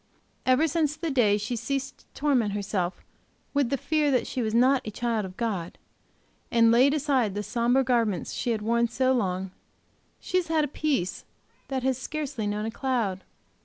Ever since the day she ceased to torment herself with the fear that she was not a child of God, and laid aside the sombre garments she had worn so long, she has had a peace that has hardly known a cloud.